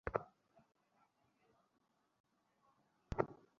তিনি একদিকে সরে গিয়ে আঘাত ব্যর্থ করে দেন।